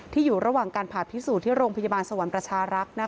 อยู่ระหว่างการผ่าพิสูจน์ที่โรงพยาบาลสวรรค์ประชารักษ์